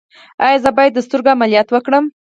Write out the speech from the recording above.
ایا زه باید د سترګو عملیات وکړم؟